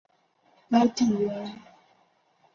该地原是台湾府城建城总理吴鸾旗公馆。